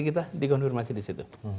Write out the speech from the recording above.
kita dikonfirmasi di situ